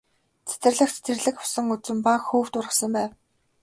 Цэцэрлэгт зэрлэг усан үзэм ба хөвд ургасан байв.